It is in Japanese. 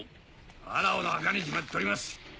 ファラオの墓に決まっとります！